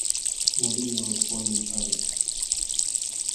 Molinier was born in Paris.